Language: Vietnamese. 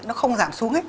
nó không giảm xuống